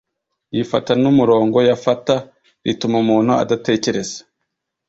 yifata n’umurongo yafata, rituma umuntu adatekereza